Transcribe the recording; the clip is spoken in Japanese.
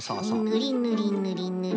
ぬりぬりぬりぬり。